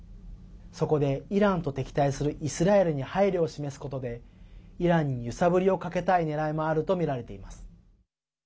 そこで、イランと敵対するイスラエルに配慮を示すことでイランに揺さぶりをかけたいねらいもあるとみられています。